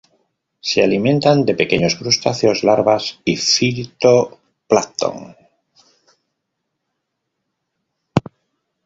Se alimentan de pequeños crustáceos, larvas y fito plancton.